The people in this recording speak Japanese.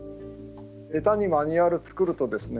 下手にマニュアルを作るとですね